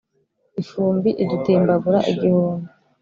ifumbi idutimbagura igihumbi